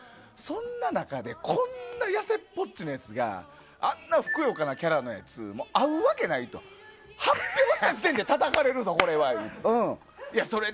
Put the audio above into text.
そんな中で、こんな痩せっぽっちのやつがあんなふくよかなキャラのやつ、合うわけないと、発表した時点でたたかれるぞ、これは言うて。